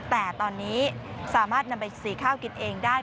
แต่ตอนนี้สามารถนำไปสีข้าวกินเองได้